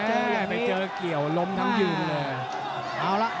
หรือว่าผู้สุดท้ายมีสิงคลอยวิทยาหมูสะพานใหม่